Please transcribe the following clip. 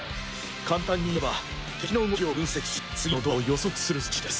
簡単に言えば敵の動きを分析し次の動作を予測する装置です。